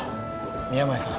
宮前さん